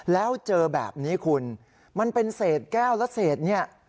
แล้วเจอแบบนี้คุณมันเป็นเศษแก้วและเศษเนี่ย